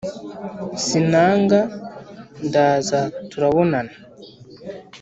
sinanga ndaza turabonana